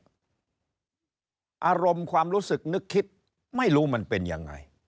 อารมณ์ความรู้สึกนึกคิดไม่รู้มันเป็นยังไง